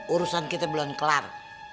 urusan kita belum kelar